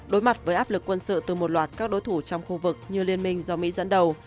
đối mặt với áp lực quân sự từ một loạt các đối thủ trong khu vực như liên minh do mỹ dẫn đầu